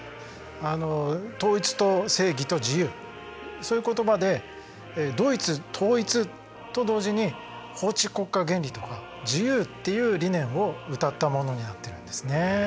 統一と正義と自由そういう言葉でドイツ統一と同時に法治国家原理とか自由っていう理念をうたったものになっているんですね。